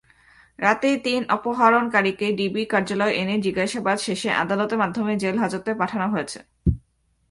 রাতেই তিন অপহরণকারীকে ডিবি কার্যালয়ে এনে জিজ্ঞাসাবাদ শেষে আদালতের মাধ্যমে জেলহাজতে পাঠানো হয়েছে।